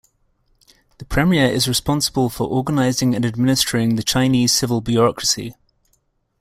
The Premier is responsible for organizing and administering the Chinese civil bureaucracy.